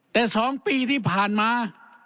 แต่๒ปีที่ผ่านมา